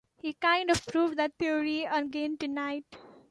He kind of proved that theory again tonight.